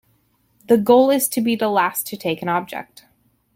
The goal is to be the last to take an object.